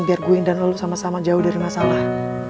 biar gue dan lo sama sama jauh dari masalah